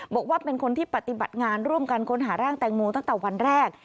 บอกว่าเป็นคนที่ปฏิบัติงานร่วมกันค้นหาร่างแตงโมตั้งแต่วันแรก